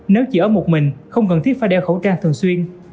nếu chỉ ở một mình không cần thiết phải đeo khẩu trang thường xuyên